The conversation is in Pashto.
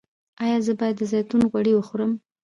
ایا زه باید د زیتون غوړي وخورم؟